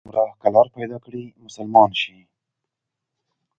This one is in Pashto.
هر ګمراه که لار پيدا کړي، مسلمان شي